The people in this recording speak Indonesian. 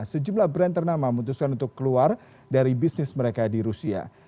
sejumlah brand ternama memutuskan untuk keluar dari bisnis mereka di rusia